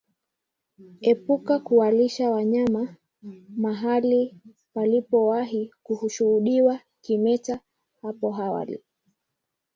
Epuka kulisha wanyama mahali palipowahi kushuhudiwa kimeta hapo awali